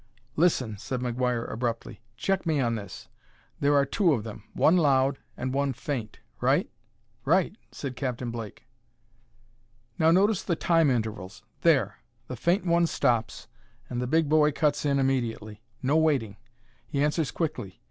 "Listen," said McGuire abruptly. "Check me on this. There are two of them, one loud and one faint right?" "Right," said Captain Blake. "Now notice the time intervals there! The faint one stops, and the big boy cuts in immediately. No waiting; he answers quickly.